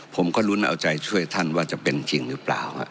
ผมก็ลุ้นเอาใจช่วยท่านว่าจะเป็นจริงหรือเปล่า